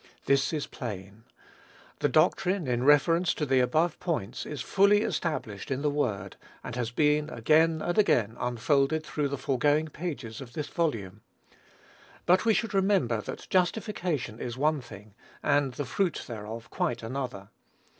This is plain. The doctrine, in reference to the above important points, is fully established in the word; and has been, again and again, unfolded through the foregoing pages of this volume. But we should remember that justification is one thing, and the fruit thereof quite another.